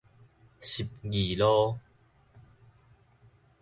十字路